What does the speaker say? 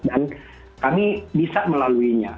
dan kami bisa melaluinya